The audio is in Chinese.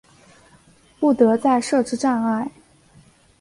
不得再设置障碍